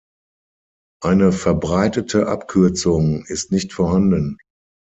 Eine verbreitete Abkürzung ist nicht vorhanden.